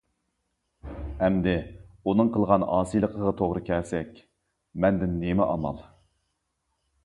ئەمدى، ئۇنىڭ قىلغان ئاسىيلىقىغا توغرا كەلسەك، مەندە نېمە ئامال!